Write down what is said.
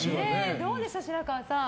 どうでした、白河さん？